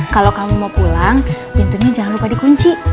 kalau kamu mau pulang pintunya jangan lupa dikunci